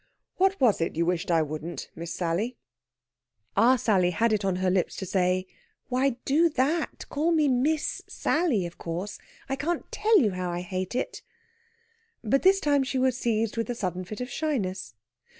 "What was it you wished I wouldn't, Miss Sally?" Our Sally had it on her lips to say, "Why, do that call me Miss Sally, of course! I can't tell you how I hate it." But, this time, she was seized with a sudden fit of shyness.